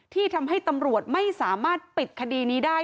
ที่ทำให้ตำรวจไม่สามารถปิดคดีนี้ได้